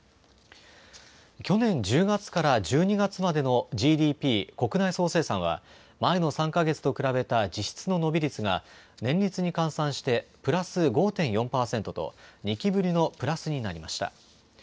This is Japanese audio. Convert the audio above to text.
去年１０月から１２月までのＧＤＰ・国内総生産は前の３か月と比べた実質の伸び率が年率に換算してプラス５．４％と２期ぶりのプラスになりました。